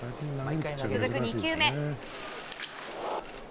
続く２球目。